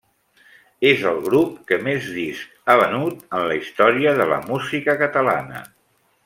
És el grup que més discs ha venut en la història de la música catalana.